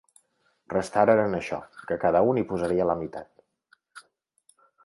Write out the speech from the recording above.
Restaren en això: que cada un hi posaria la meitat.